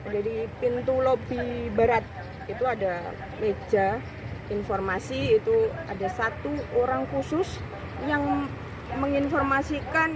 dari pintu lopi barat itu ada meja informasi itu ada satu orang khusus yang menginformasikan